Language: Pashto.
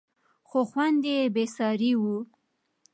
خو خوند یې بېساری و.